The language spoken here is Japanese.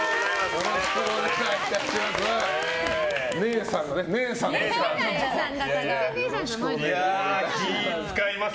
よろしくお願いします。